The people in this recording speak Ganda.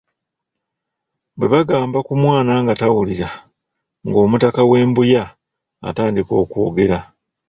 Bwe bagamba ku mwana nga tawulira, ng'omutaka w'eMbuya atandika okwogera.